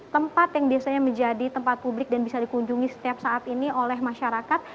tempat yang biasanya menjadi tempat publik dan bisa dikunjungi setiap saat ini oleh masyarakat